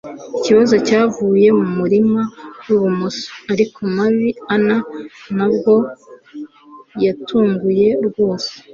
Ikibazo cyavuye mumurima wibumoso, ariko Mary Ann ntabwo yatunguwe rwose